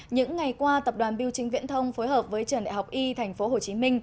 những ngày qua tập đoàn biểu trình viễn thông phối hợp với trường đại học y tp hcm